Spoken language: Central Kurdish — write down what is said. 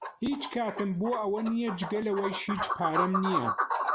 هیچ کاتم بۆ ئەوە نییە، جگە لەوەش، هیچ پارەم نییە.